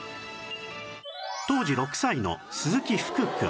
当時６歳の鈴木福くん